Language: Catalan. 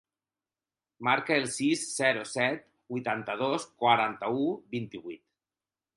Marca el sis, zero, set, vuitanta-dos, quaranta-u, vint-i-vuit.